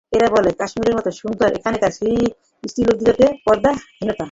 এরা বলে, কাশ্মীরীর মত সুন্দর! এখানকার স্ত্রীলোকদিগের পর্দা-হীনতা।